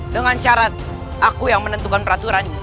dengan syarat aku yang menentukan peraturan